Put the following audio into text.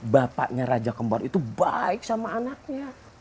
bapaknya raja kembar itu baik sama anaknya